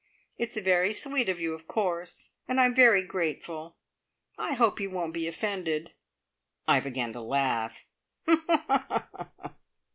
It's very sweet of you, of course, and I'm very grateful. I hope you won't be offended." I began to laugh.